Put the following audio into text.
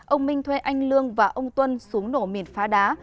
ông minh thuê anh lương và ông tuân xuống nổ mìn phá đá